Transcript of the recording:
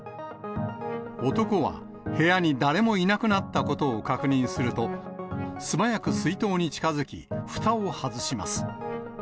男は、部屋に誰もいなくなったことを確認すると、素早く水筒に近づき、ふたを外します。